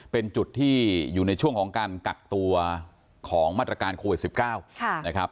เป็นจุดที่อยู่ในช่วงของการกักตัวของมาตรการโควิด๑๙นะครับ